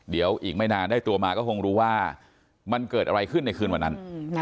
เดี๋ยวอีกไม่นานได้ตัวมาก็คงรู้ว่ามันเกิดอะไรขึ้นในคืนวันนั้น